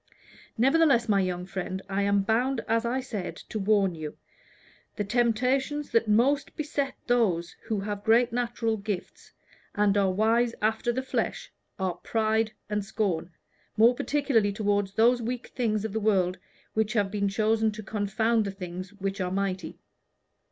Nevertheless, my young friend, I am bound, as I said, to warn you. The temptations that most beset those who have great natural gifts, and are wise after the flesh, are pride and scorn, more particularly toward those weak things of the world which have been chosen to confound the things which are mighty.